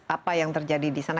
apa yang terjadi di sana